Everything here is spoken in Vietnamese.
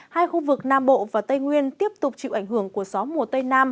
hai khu vực nam bộ và tây nguyên tiếp tục chịu ảnh hưởng của gió mùa tây nam